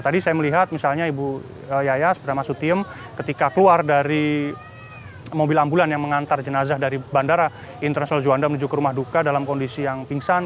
tadi saya melihat misalnya ibu yayas bernama sutiem ketika keluar dari mobil ambulan yang mengantar jenazah dari bandara internasional juanda menuju ke rumah duka dalam kondisi yang pingsan